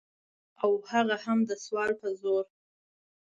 او هغه هم د سوال په زور.